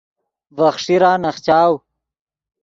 ڤے خیݰیرا نخچاؤ